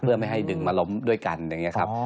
เพื่อไม่ให้ดึงมาล้มด้วยกันอย่างนี้ครับ